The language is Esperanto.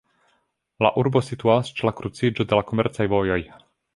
La urbo situas ĉe la kruciĝo de la komercaj vojoj.